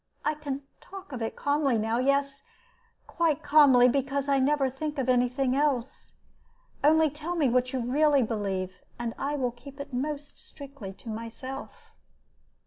I can talk of it calmly now; yes, quite calmly, because I never think of any thing else. Only tell me what you really believe, and I will keep it most strictly to myself."